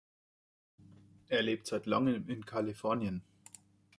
Er lebt seit langem in Kalifornien.